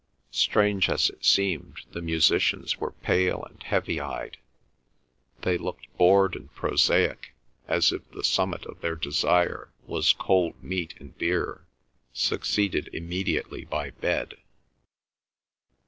Strange as it seemed, the musicians were pale and heavy eyed; they looked bored and prosaic, as if the summit of their desire was cold meat and beer, succeeded immediately by bed.